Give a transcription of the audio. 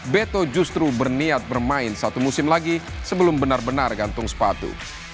beto justru berniat bermain satu musim lagi sebelum benar benar gantung sepatu